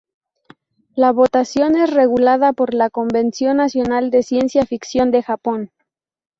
La votación es regulada por la Convención Nacional de Ciencia Ficción de Japón.